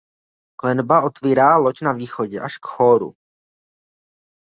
Klenba otvírá loď na východě až k chóru.